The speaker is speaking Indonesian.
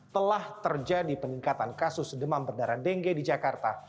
telah terjadi peningkatan kasus demam berdarah dengue di jakarta